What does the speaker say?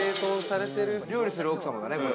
料理する奥様だね。